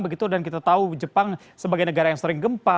begitu dan kita tahu jepang sebagai negara yang sering gempa